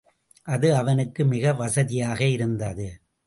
அது அவனுக்கு மிக வசதியாக இருந்தது.